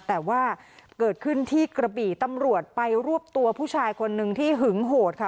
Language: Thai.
แต่ว่าเกิดขึ้นที่กระบี่ตำรวจไปรวบตัวผู้ชายคนนึงที่หึงโหดค่ะ